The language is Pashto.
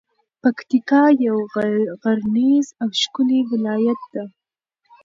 پکتیکا یو غرنیز او ښکلی ولایت ده.